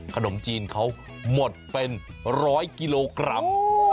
ขนมจีนเขาหมดเป็น๑๐๐กิโลกรัม